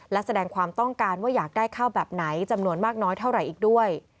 และแสดงความต้องการว่าอยากได้ข้าวแบบไหนจำนวนมากน้อยเท่าไหร่อีกด้วย